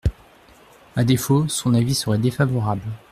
À défaut, son avis serait défavorable.